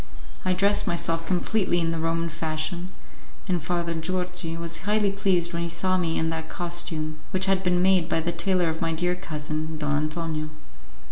I dressed myself completely in the Roman fashion, and Father Georgi was highly pleased when he saw me in that costume, which had been made by the tailor of my dear cousin, Don Antonio.